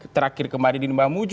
terakhir kemarin di nomba muju